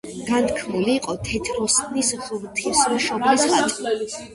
განთქმული იყო თეთროსნის ღვთისმშობლის ხატი.